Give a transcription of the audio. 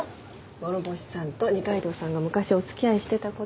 諸星さんと二階堂さんが昔お付き合いしてた事。